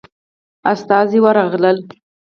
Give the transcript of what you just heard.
استازي ورغلل.